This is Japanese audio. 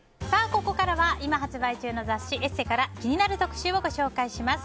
ここからは、今発売中の雑誌「ＥＳＳＥ」から気になる特集をご紹介します。